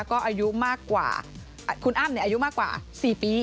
ก็อายุมากกว่าคุณอ้ำอายุมากกว่า๔ปี